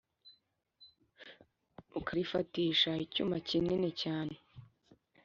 akarifatisha icyuma kinini cyane